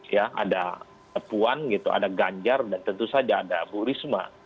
ya ada puan gitu ada ganjar dan tentu saja ada bu risma